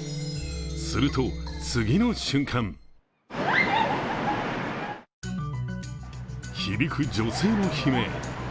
すると次の瞬間響く女性の悲鳴。